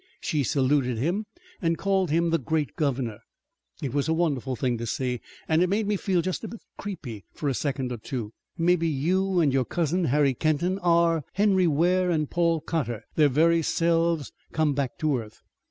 She saluted him and called him the great governor. It was a wonderful thing to see, and it made me feel just a little bit creepy for a second or two. Mebbe you an' your cousin, Harry Kenton, are Henry Ware an' Paul Cotter, their very selves come back to earth.